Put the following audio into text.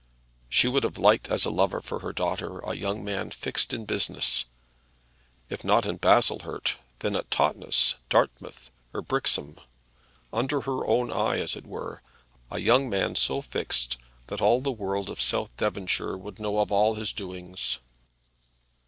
She would have liked as a lover for her daughter a young man fixed in business, if not at Baslehurst, then at Totnes, Dartmouth, or Brixham, under her own eye as it were; a young man so fixed that all the world of South Devonshire would know of all his doings.